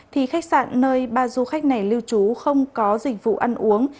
thì khách sạn nơi ba du khách này lưu trú không có dịch vụ ăn uống